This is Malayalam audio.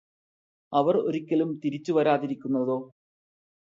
അവര് ഒരിക്കലും തിരിച്ചുവരാതിരിക്കുന്നതോ